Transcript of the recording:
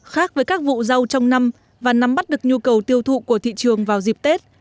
khác với các vụ rau trong năm và nắm bắt được nhu cầu tiêu thụ của thị trường vào dịp tết